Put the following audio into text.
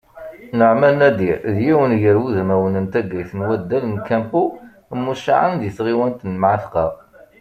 Naɛman Nadir, d yiwen gar wudmawen n taggayt n waddal n Kempo muccaεen deg tɣiwant n Mεatqa.